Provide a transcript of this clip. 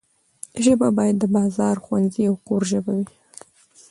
ژبه باید د بازار، ښوونځي او کور ژبه وي.